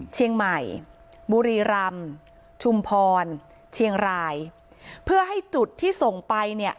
เชียงใหม่บุรีรำชุมพรเชียงรายเพื่อให้จุดที่ส่งไปเนี่ย